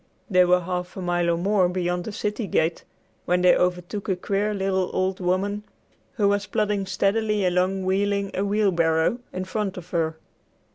They were half a mile or more beyond the city gate when they overtook a queer little old woman who was plodding steadily along wheeling a wheelbarrow, in front of her.